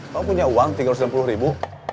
kamu punya uang tiga ratus enam puluh ribu